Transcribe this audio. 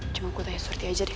coba gue tanya surti aja deh